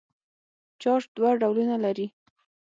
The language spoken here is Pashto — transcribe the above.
چارج دوه ډولونه لري.